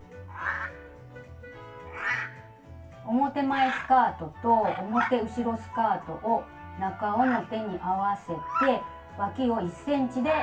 表前スカートと表後ろスカートを中表に合わせてわきを１ｃｍで縫います。